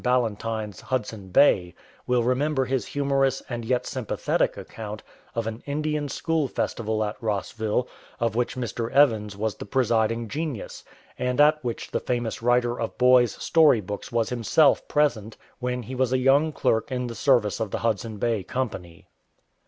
Ballantyne's Hudson Bay will re member his humorous and yet sympathetic account of an Indian school festival at Rossville, of which Mr. Evans was the presiding genius, and at which the famous writer of boys' story books was himself present, when he was a young clerk in the service of the Hudson Bay Company.